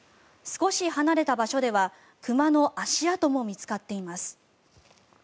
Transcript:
少し離れた場所ではクマの足跡も見つかっています。